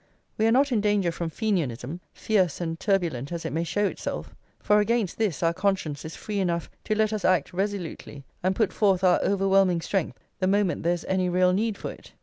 We are not in danger from Fenianism, fierce and turbulent as it may show itself; for against this our conscience is free enough to let us act resolutely and put forth our overwhelming strength the moment there is any real need for it.